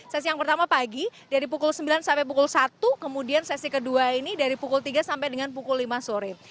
sesi yang pertama pagi dari pukul sembilan sampai pukul satu kemudian sesi kedua ini dari pukul tiga sampai dengan pukul lima sore